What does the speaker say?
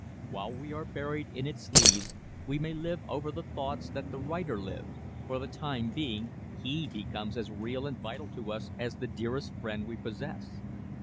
While we are buried in its leaves we may live over the thoughts that the writer lived. For the time being he becomes as real and vital to us as the dearest friend we possess.